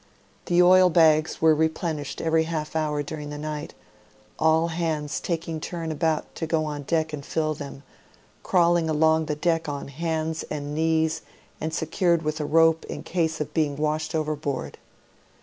The oil bags were replenished every half hour during the night, all hands i ^king turn about to go on deck and fill them, crawling along the deck on hands and knees and secured with a rope in case of beinv> washed overboard.